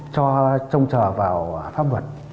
cho trông trở vào pháp luật